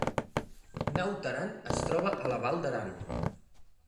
Naut Aran es troba a la Val d’Aran